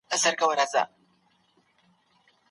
هغې له ځان سره وویل چې ایا نن دې ګولۍ خوړلې که نه؟